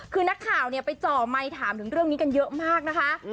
คือนักข่าวไปจ่อไมค์ถามถึงเรื่องนี้กันเยอะมากนะคะ